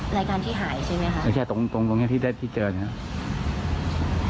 รายการที่หายใช่ไหมคะไม่ใช่ตรงตรงตรงเนี้ยที่ได้ที่เจอนะครับ